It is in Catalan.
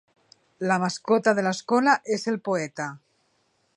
La mascota de l'escola és el Poeta.